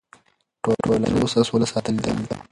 ټولنې تر اوسه سوله ساتلې ده.